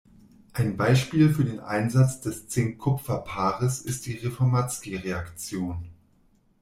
Ein Beispiel für den Einsatz des Zink-Kupfer-Paares ist die Reformatzki-Reaktion.